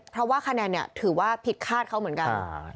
เพราะว่าคะแนนเนี่ยถือว่าผิดคาดเขาเหมือนกัน